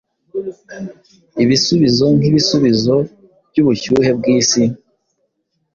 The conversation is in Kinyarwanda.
Ibisubizo nkibisubizo byubushyuhe bwisi,